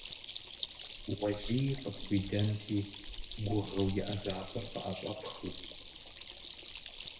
Уэлий къыпхуидэнти гугъэу иӀэ закъуэр къыӀэщӀэпхыу!